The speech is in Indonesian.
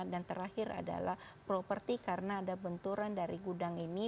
dan terakhir adalah properti karena ada benturan dari gudang ini